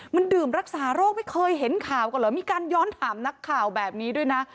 มันดื่มรักษาโรคไม่เคยเห็นข่าวกันเหรอมีการย้อนถามนักข่าวแบบนี้ด้วยนะ